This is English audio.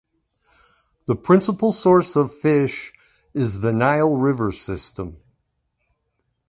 The principal source of fish is the Nile River system.